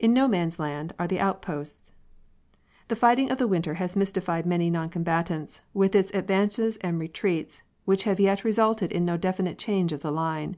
In No Man's Land are the outposts. The fighting of the winter has mystified many noncombatants, with its advances and retreats, which have yet resulted in no definite change of the line.